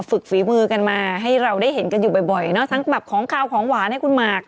ฝีมือกันมาให้เราได้เห็นกันอยู่บ่อยเนอะทั้งแบบของขาวของหวานให้คุณหมาก